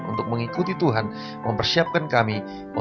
untuk mengikuti tuhan mempersiapkan kami untuk bergabung dengan tuhan